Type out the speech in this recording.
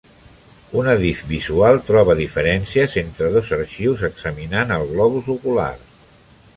Una dif. visual troba diferències entre dos arxius examinant el globus ocular.